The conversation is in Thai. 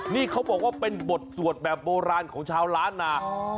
นี่เขาบอกว่าเป็นบทสวดแบบโบราณของชาวล้านนา